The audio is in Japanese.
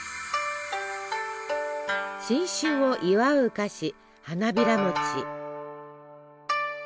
新春を祝う菓子花びらもち。